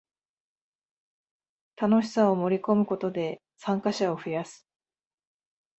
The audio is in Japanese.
楽しさを盛りこむことで参加者を増やす